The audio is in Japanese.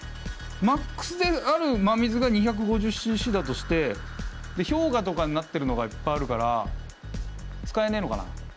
マックスである真水が２５０ｃｃだとしてで氷河とかになってるのがいっぱいあるから使えねえのかな。